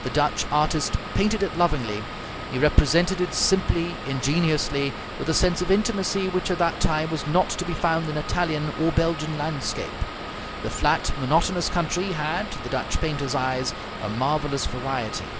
The Dutch artist painted it lovingly; he represented it simply, ingenuously, with a sense of intimacy which at that time was not to be found in Italian or Belgian landscape. The flat, monotonous country had, to the Dutch painter's eyes, a marvelous variety.